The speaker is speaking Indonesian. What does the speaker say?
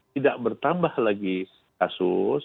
tidak bertambah lagi kasus